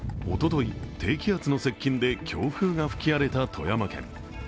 おととい低気圧の接近で強風が吹き荒れた富山県。